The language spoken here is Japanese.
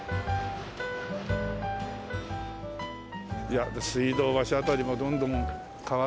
やっぱ水道橋辺りもどんどん変わってくるね。